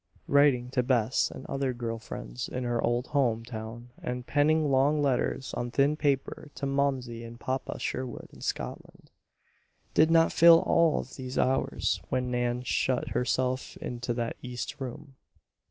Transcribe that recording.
Writing to Bess and other girl friends in her old home town and penning long letters on thin paper to Momsey and Papa Sherwood in Scotland, did not fill all of these hours when Nan shut herself into that east room.